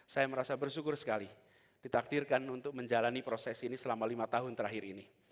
saya merasa bersyukur sekali ditakdirkan untuk menjalani proses ini selama lima tahun terakhir ini